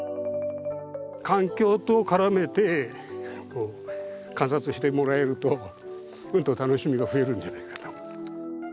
環境と絡めて観察してもらえるとうんと楽しみが増えるんじゃないかな。